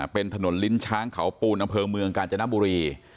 เป็นถนนลิ้นช้างเขาปูนอำเภอเมืองกาญจนบุรี